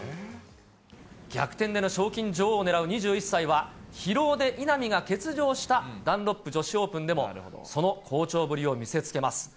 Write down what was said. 逆転での賞金女王を狙う２１歳は、疲労で稲見が欠場したダンロップ女子オープンでも、その好調ぶりを見せつけます。